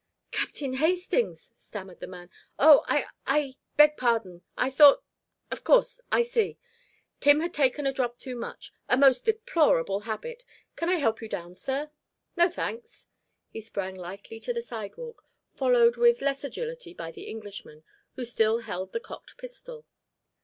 "Captain Hastings!" stammered the man. "Oh I I beg pardon. I thought Oh, of course, I see. Tim had taken a drop too much. A most deplorable habit. Can I help you down, sir?" "No, thanks." He sprang lightly to the sidewalk, followed with less agility by the Englishman, who still held the cocked pistol.